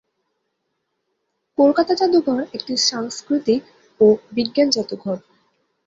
কলকাতা জাদুঘর একটি সাংস্কৃতিক ও বিজ্ঞান জাদুঘর।